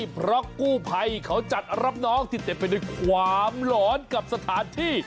เพราะกู้ภัยเขาจัดรับน้องที่เต็มไปด้วยความหลอนกับสถานที่